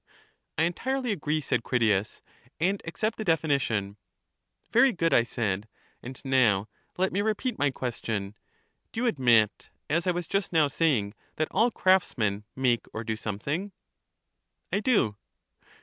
I entirely agree, said Critias, and accept the defi nition. Very good, I said ; and now let me repeat my ques tion — Do you admit, as I was just now saying, that aU craftsmen make or do something. I do.